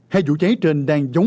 hai vụ cháy trên đang giống